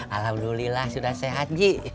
alhamdulillah sudah sehat ji